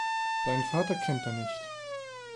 Seinen Vater kennt er nicht.